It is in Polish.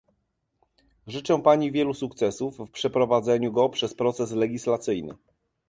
Życzę pani wielu sukcesów w przeprowadzaniu go przez proces legislacyjny